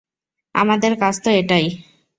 আমাদের কাজ তো এটাই।